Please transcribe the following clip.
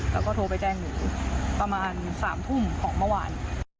แล้วก็โทรไปแจ้งหนูประมาณ๓ทุ่มของเมื่อวาน